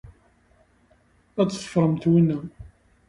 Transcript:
Ad teffremt winna.